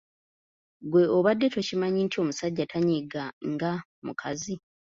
Gwe obadde tokimanyi nti omusajja tanyiiga nga mukazi?